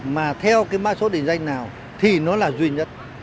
mà theo cái mã số định danh nào thì nó là duy nhất